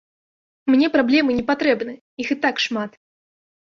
Мне праблемы не патрэбны, іх і так шмат.